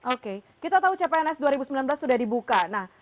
oke kita tahu cpns dua ribu sembilan belas sudah dibuka